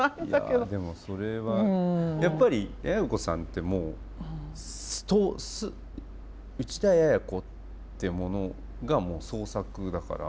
いやでもそれはやっぱり也哉子さんってもう内田也哉子ってものがもう創作だから。